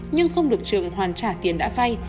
nhưng không được trường hoàn trả tiền đã vay